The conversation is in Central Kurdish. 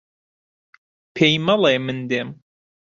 پێی مەڵێ من دێم.